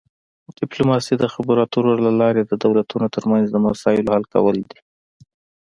ډیپلوماسي د خبرو اترو له لارې د دولتونو ترمنځ د مسایلو حل کول دي